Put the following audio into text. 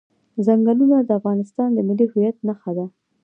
ځنګلونه د افغانستان د ملي هویت نښه ده.